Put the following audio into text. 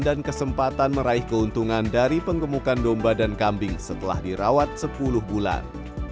dan kesempatan meraih keuntungan dari penggemukan domba dan kambing setelah dirawat sepuluh bulan